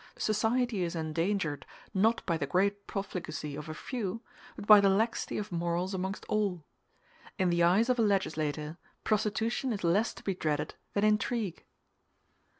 Society is endangered not by the great profligacy of a few, but by laxity of morals amongst all. In the eyes of a legislator, prostitution is less to be dreaded than intrigue.